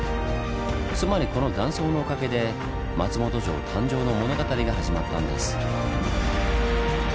つまりこの断層のおかげで松本城誕生の物語が始まったんです。